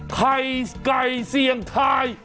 ใครไกลเสี่ยงทาย